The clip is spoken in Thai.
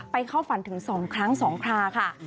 ไปเข้าฝันถึงสองครั้งสองคราค่ะค่ะ